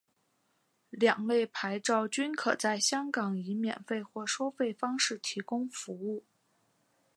两类牌照均可在香港以免费或收费方式提供服务。